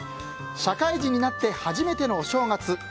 社会人になって初めてのお正月。